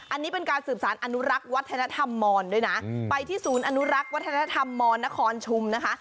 อันนี้เป็นการสืบสารอนุรักษ์วัฒนธรรมมรด้วยนะไปที่ศูนย์อนุรักษ์วัฒนธรรมมนครชุมนะคะ